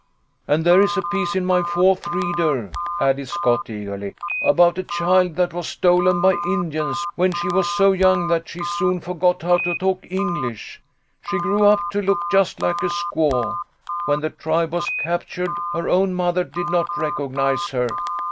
"And there's a piece in my Fourth Reader," added Scott, eagerly, " about a child that was stolen by Indians when she was so young that she soon forgot how to talk English. She grew up to look just like a squaw. When the tribe was captured, her own mother did not recognise her.